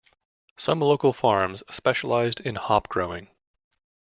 Some local farms specialised in hop growing.